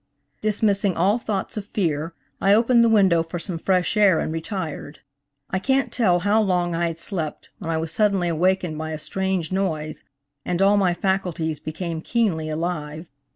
Dismissing all thoughts of fear I opened the window for some fresh air and retired. I can't tell how long I had slept when I was suddenly awakened by a strange noise, and all my faculties became keenly alive.